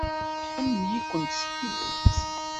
Tḥemmel-ikent s tidet.